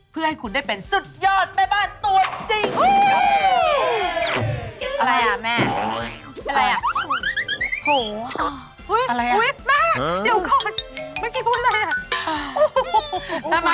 เพื่อให้คุณได้เป็นสุดยอดแม่บ้านตัวจริง